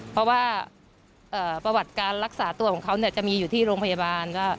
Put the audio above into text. เพราะว่าประวัติการรักษาตัวของเขาจะมีอยู่ที่โรงพยาบาล